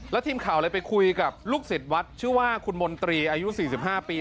ทีมข่าวเลยไปคุยกับลูกศิษย์วัดชื่อว่าคุณมนตรีอายุ๔๕ปี